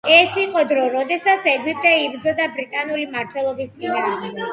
ეს იყო დრო, როდესაც ეგვიპტე იბრძოდა ბრიტანული მმართველობის წინააღმდეგ.